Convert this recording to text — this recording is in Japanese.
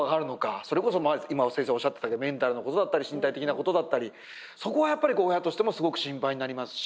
それこそ今先生がおっしゃってたメンタルのことだったり身体的なことだったりそこはやっぱり親としてもすごく心配になりますし。